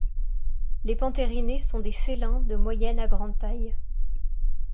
Les panthérinés sont des félins de moyenne à grande taille.